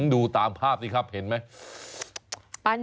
ดูตามภาพสิครับเห็นไหม